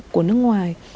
của nước ngoài